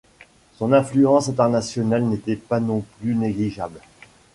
Son influence internationale n'était pas non plus négligeable.